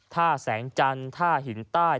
ท่าแสงจันทร์ท่าหินใต้